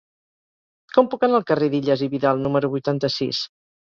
Com puc anar al carrer d'Illas i Vidal número vuitanta-sis?